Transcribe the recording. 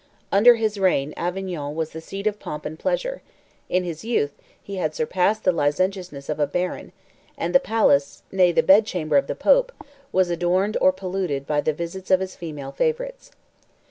Under his reign Avignon was the seat of pomp and pleasure: in his youth he had surpassed the licentiousness of a baron; and the palace, nay, the bed chamber of the pope, was adorned, or polluted, by the visits of his female favorites.